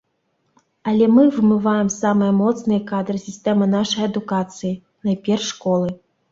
Але мы вымываем самыя моцныя кадры з сістэмы нашай адукацыі, найперш школы.